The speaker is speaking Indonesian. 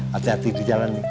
hati hati di jalan